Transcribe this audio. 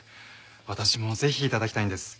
私もぜひ頂きたいんです。